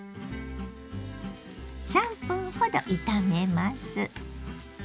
３分ほど炒めます。